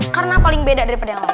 karena paling beda daripada yang lain